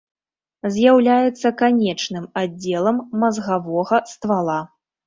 З'яўляецца канечным аддзелам мазгавога ствала.